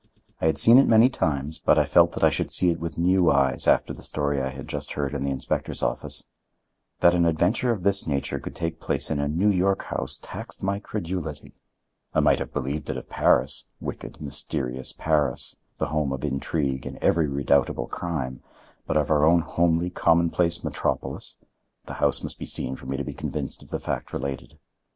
I had seen it many times, but I felt that I should see it with new eyes after the story I had just heard in the inspector's office. That an adventure of this nature could take place in a New York house taxed my credulity. I might have believed it of Paris, wicked, mysterious Paris, the home of intrigue and every redoubtable crime, but of our own homely, commonplace metropolis—the house must be seen for me to be convinced of the fact related.